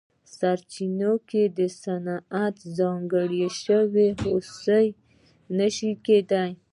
سرچینې که صنعت ته ځانګړې شي هیلې نه شي کېدای.